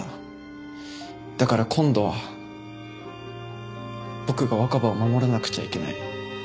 だから今度は僕が若葉を守らなくちゃいけない。